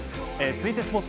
続いて、スポーツ。